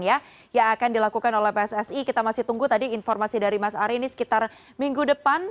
yang akan dilakukan oleh pssi kita masih tunggu tadi informasi dari mas ari ini sekitar minggu depan